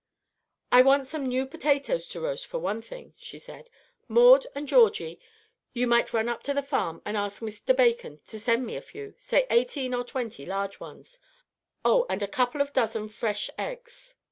"I want some new potatoes to roast, for one thing," she said. "Maud and Georgie, you might run up to the farm and ask Mr. Bacon to send me a few, say eighteen or twenty large ones, oh, and a couple of dozen fresh eggs."